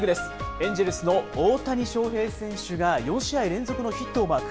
エンジェルスの大谷翔平選手が、４試合連続のヒットをマーク。